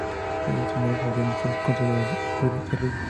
Pero los soldados abrieron fuego contra la guerrilla.